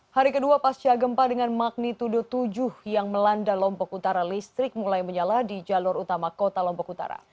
hari kedua pasca gempa dengan magnitudo tujuh yang melanda lombok utara listrik mulai menyala di jalur utama kota lombok utara